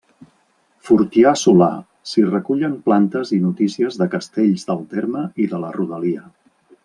Fortià Solà, s'hi recullen plantes i notícies de castells del terme i de la rodalia.